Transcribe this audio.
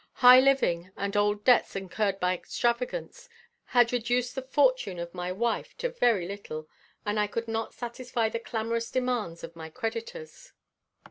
High living, and old debts incurred by extravagance, had reduced the fortune of my wife to very little, and I could not satisfy the clamorous demands of my creditors.